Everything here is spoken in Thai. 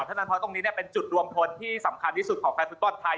เพราะฉะนั้นเพราะตรงนี้เป็นจุดรวมพลที่สำคัญที่สุดของแฟนฟุตบอลไทย